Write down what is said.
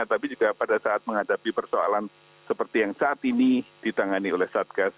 tapi juga pada saat menghadapi persoalan seperti yang saat ini ditangani oleh satgas